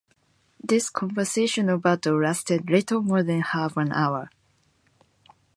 This conventional battle lasted little more than half an hour.